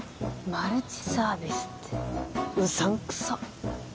マルチサービスってうさんくさっ！